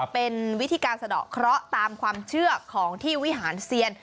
เป็นวิธีการสะดอกเคราะห์ตามความเชื่อของที่วิหารเซียน